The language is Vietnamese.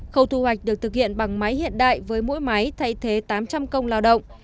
khâu thu hoạch được thực hiện bằng máy hiện đại với mỗi máy thay thế tám trăm linh công lao động